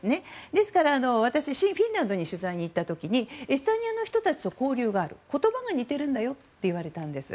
ですから私がフィンランドに取材に行った時エストニアの人たちと交流がある言葉が似ているんだよと言われたんです。